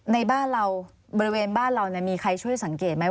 ในบ้านเราบริเวณบ้านเรามีใครช่วยสังเกตไหม